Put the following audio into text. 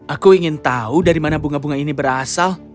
aku ingin tahu dari mana bunga bunga ini berasal